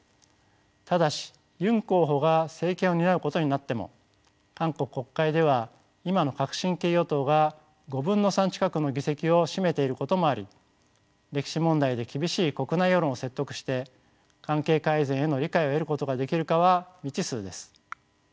ただしユン候補が政権を担うことになっても韓国国会では今の革新系与党が５分の３近くの議席を占めていることもあり歴史問題で厳しい国内世論を説得して関係改善への理解を得ることができるかは未知数です。